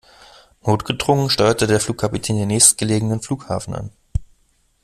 Notgedrungen steuert der Flugkapitän den nächstgelegenen Flughafen an.